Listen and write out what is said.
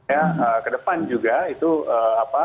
ya ke depan juga itu apa